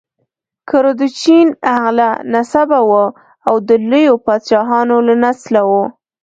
کردوچین اعلی نسبه وه او د لویو پاچاهانو له نسله وه.